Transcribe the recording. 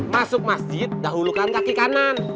masuk masjid dahulukan kaki kanan